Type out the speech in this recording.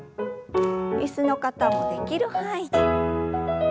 椅子の方もできる範囲で。